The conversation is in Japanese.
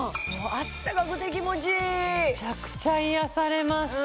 あったかくて気持ちいいめちゃくちゃ癒やされます